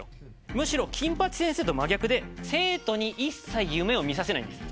むしろ金八先生と真逆で生徒に一切夢を見させないんです。